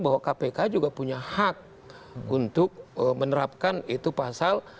bahwa kpk juga punya hak untuk menerapkan itu pasal